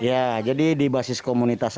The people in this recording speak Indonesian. ya jadi di basis komunitas